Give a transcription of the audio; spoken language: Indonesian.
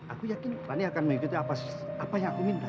aku yakin rani akan mengikuti apa yang aku minta